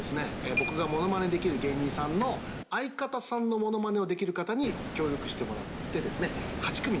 僕がものまねできる芸人さんの相方さんのものまねをできる方に協力してもらってですね。